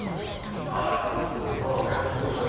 これからやってくださいよ。